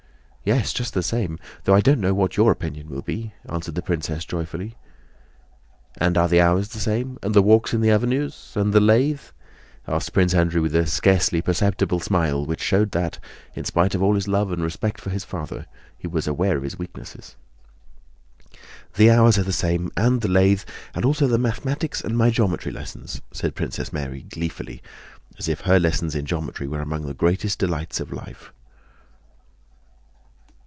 "Yes, just the same. Though I don't know what your opinion will be," answered the princess joyfully. "And are the hours the same? And the walks in the avenues? And the lathe?" asked Prince Andrew with a scarcely perceptible smile which showed that, in spite of all his love and respect for his father, he was aware of his weaknesses. "The hours are the same, and the lathe, and also the mathematics and my geometry lessons," said Princess Mary gleefully, as if her lessons in geometry were among the greatest delights of her life.